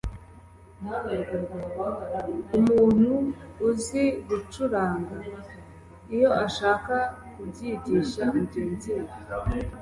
Umuntu uzi gucuranga iyo ashaka kubyigisha mugenzi we,